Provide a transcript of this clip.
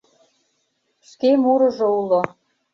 Шке мурыжо уло.